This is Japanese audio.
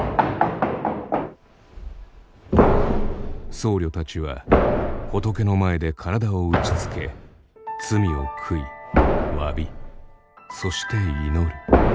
僧侶たちは仏の前で体を打ちつけ罪を悔い詫びそして祈る。